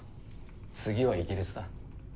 次はイギリスだ。